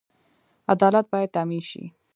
عدالت باید تامین شي